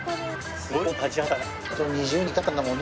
すごいね。